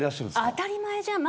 当たり前じゃん。